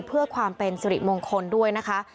เพื่อความเป็นสิริมงคลด้วยนะคะ